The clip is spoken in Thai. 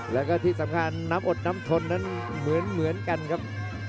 แล้วก็ที่สำคัญน้ำอดน้ำชนนั้นเหมือนกันครับ